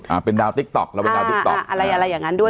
อ่าเป็นดาวติ๊กต๊อกเราเป็นดาวติ๊กต๊อกอะไรอะไรอย่างงั้นด้วย